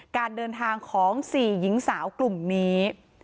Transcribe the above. การเดินทางของ๔หญิงสาวกลุ่มนี้